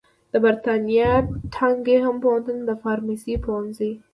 د برېتانیا ناټینګهم پوهنتون د فارمیسي پوهنځي